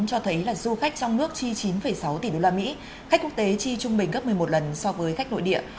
năm hai nghìn một mươi chín cho thấy là du khách trong nước chi chín sáu tỷ usd khách quốc tế chi trung bình gấp một mươi một lần so với khách nội địa